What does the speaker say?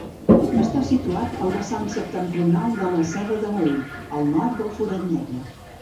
Està situat al vessant septentrional de la Serra del Meüll, al nord del Forat Negre.